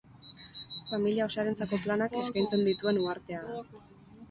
Familia osoarentzako planak eskaintzen dituen uhartea da.